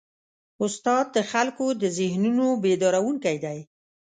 استاد د خلکو د ذهنونو بیدارونکی دی.